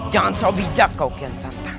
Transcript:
jangan seobijak kau kian santang